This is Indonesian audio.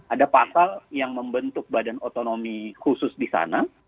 ada pasal yang membentuk badan otonomi khusus di sana